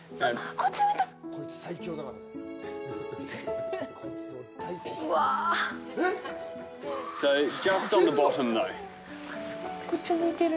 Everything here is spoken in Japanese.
こっち向いてる。